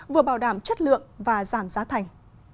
giảm chất lượng và giảm giá thành